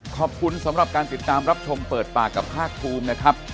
ขอบคุณสำหรับการติดตามรับชมเปิดปากกับภาคภูมินะครับ